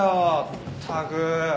ったく。